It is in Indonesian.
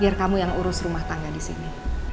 biar kamu yang urus rumah tangga disini